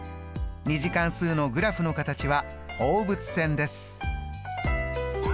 ２次関数のグラフの形は放物線です。